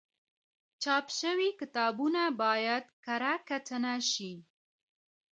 چاپ شوي کتابونه باید کره کتنه شي.